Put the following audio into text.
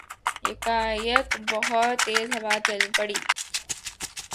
یکایک بہت تیز ہوا چل پڑی